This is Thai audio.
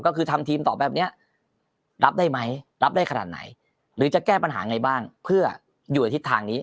ก็คือทำทีมต่อแบบนี้รับได้ไหมรับได้ขนาดไหนหรือจะแก้ปัญหาไงบ้างเพื่ออยู่ในทิศทางนี้